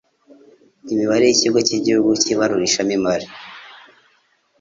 Imibare y'Ikigo cy'Igihugu cy'Ibarurishamibare,